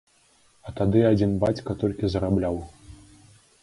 А тады адзін бацька толькі зарабляў.